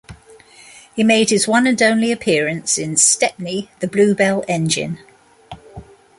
He made his one and only appearance in "Stepney the "Bluebell" Engine".